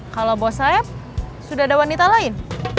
kalau bos sayap sudah ada wanita lain